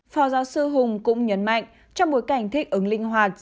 phó giáo sư hùng cũng nhấn mạnh trong bối cảnh thích ứng linh hoạt